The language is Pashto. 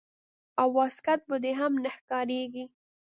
او واسکټ به دې هم نه ښکارېږي.